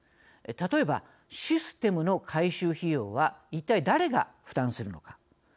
例えば、システムの改修費用は一体誰が負担するのか。